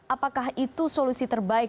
apakah itu solusi terbaik